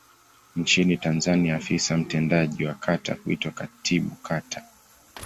Nchini Tanzania afisa mtendaji wa kata huitwa Katibu Kata.